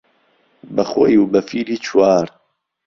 بهخۆی و به فیلی چووار